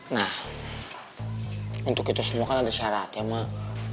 nah untuk itu semua kan ada syarat ya mak